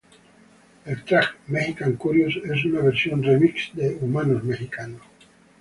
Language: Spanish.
El track "Mexican Curious" es una versión remix de "Humanos Mexicanos".